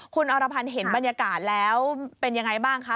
คุณอรพันธ์เห็นบรรยากาศแล้วเป็นยังไงบ้างคะ